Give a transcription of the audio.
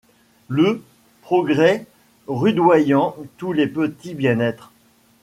Le, progrès, rudoyant tous les petits bien-êtres